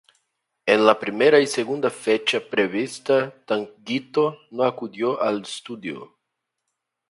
En la primera y segunda fecha prevista Tanguito no acudió al estudio.